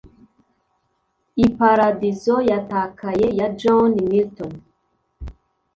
Iparadizo yatakaye ya John Milton